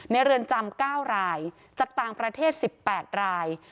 เรือนจำ๙รายจากต่างประเทศ๑๘ราย